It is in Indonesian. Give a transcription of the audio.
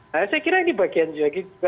saya kira ini bagian juga dari politik ya